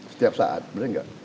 setiap saat bener gak